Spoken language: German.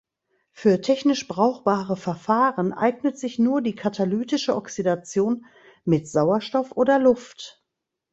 Für technisch brauchbare Verfahren eignet sich nur die katalytische Oxidation mit Sauerstoff oder Luft.